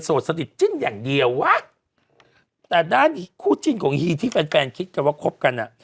สนิทจิ้นอย่างเดียววะแต่ด้านคู่จิ้นของฮีที่แฟนแฟนคิดกันว่าคบกันอ่ะ